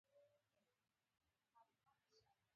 پوهه د بریا یوازینۍ لاره ده.